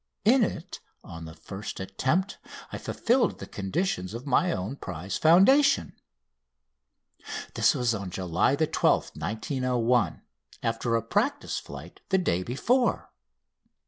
In it, on the first attempt, I fulfilled the conditions of my own prize foundation. This was on July 12th, 1901, after a practice flight the day before.